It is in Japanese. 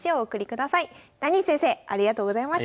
ダニー先生ありがとうございました。